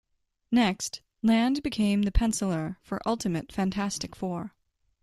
Next, Land became the penciler for "Ultimate Fantastic Four".